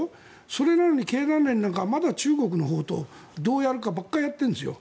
それなのに経団連なんかまだ中国のほうとどうやるかばっかりやってるんですよ。